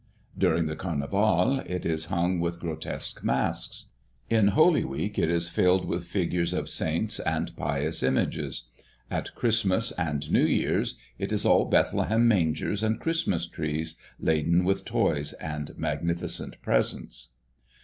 During the Carnival it is hung with grotesque masks; in Holy Week it is filled with figures of saints and pious images. At Christmas and New Year's it is all Bethlehem mangers and Christmas trees, laden with toys and magnificent presents.